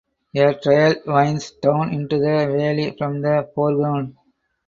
A trail winds down into the valley from the foreground.